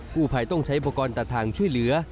กูภัยต้องใช้ประกอบตัดทางช่วยเหลือ